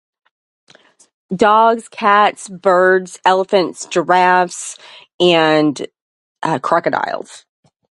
Dogs, cats, birds, elephants, giraffes, and, uh, crocodiles.